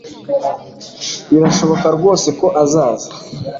Birashoboka rwose ko azaza